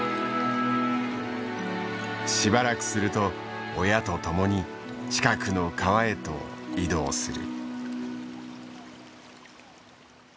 しばらくすると親と共に近くの川へと移動する。